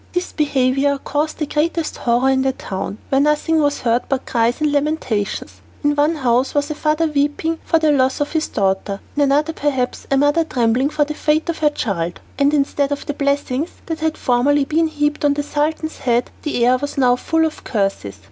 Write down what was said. This behaviour caused the greatest horror in the town, where nothing was heard but cries and lamentations. In one house was a father weeping for the loss of his daughter, in another perhaps a mother trembling for the fate of her child; and instead of the blessings that had formerly been heaped on the Sultan's head, the air was now full of curses.